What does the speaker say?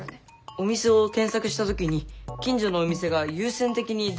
お店を検索した時に近所のお店が優先的に出ることもあるね。